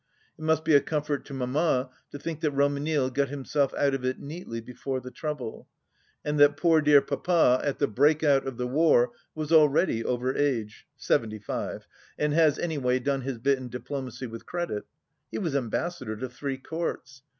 It must be a comfort to Mamma to think that Romanille got himself out of it neatly, before the trouble, and that poor dear Papa at the break out of the war was already over age — seventy five — ^and has any way done his bit in diplomacy with credit. He was Ambassador to three Courts.